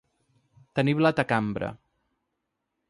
Tenir blat a cambra.